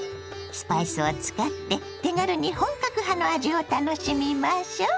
スパイスを使って手軽に本格派の味を楽しみましょう。